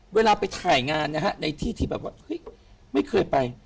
เวลาไปถ่ายงานนะฮะในที่ที่แบบว่าเฮ้ยไม่เคยไป